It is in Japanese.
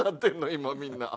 今みんな。